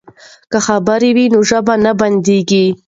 که خبرې وي نو ژبه نه بندیږي.